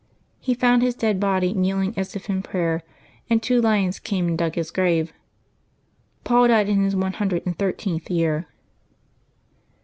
He found his dead body kneeling as if in prayer, and two lions came and dug his grave. Paul died in his one hundred and thirteenth year.